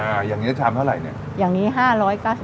อ่าอย่างนี้ชามเท่าไหร่เนี่ยอย่างนี้๕๙๐บาท